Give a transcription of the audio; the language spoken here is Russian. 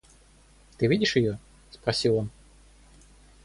Ты видишь ее? — спросил он.